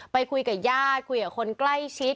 ไปคุยกับญาติคุยกับคนใกล้ชิด